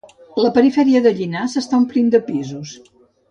La perifèria de Llinars s'està omplint de pisos